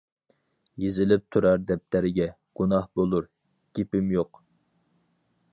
يېزىلىپ تۇرار دەپتەرگە، گۇناھ بولۇر، گېپىم يوق.